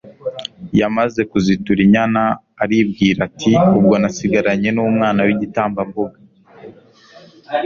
yamaze kuzitura inyana aribwira ati ubwo nasigaranye n'umwana w'igitambambuga